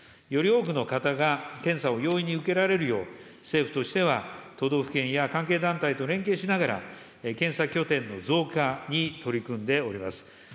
より多くの方が検査を容易に受けられるよう、政府としては、都道府県や関係団体と連携しながら、検査拠点の増加に取り組んでおります。